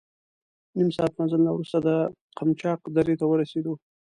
نیم ساعت مزل نه وروسته د قمچاق درې ته ورسېدو.